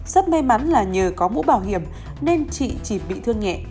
rất may mắn là nhờ có mũ bảo hiểm nên chị chỉ bị thương nhẹ